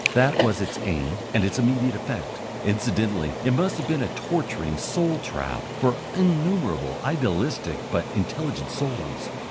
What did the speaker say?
That was its aim and its immediate effect. Incidentally it must have been a torturing soul trap for innumerable idealistic but intelligent souls.